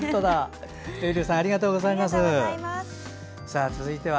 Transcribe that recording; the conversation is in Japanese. ルールーさんありがとうございます。